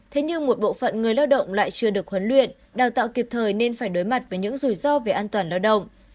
thế nhưng một bộ phận người lao động lại chưa được huấn luyện đào tạo kịp thời nên phải đối mặt với những rủi ro về an toàn lao động